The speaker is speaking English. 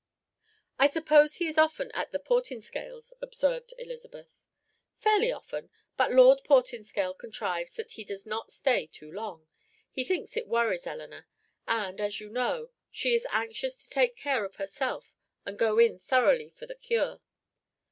"I suppose he is often at the Portinscales'?" observed Elizabeth. "Fairly often, but Lord Portinscale contrives that he does not stay too long; he thinks it worries Eleanor, and, as you know, she is anxious to take care of herself and go in thoroughly for the cure."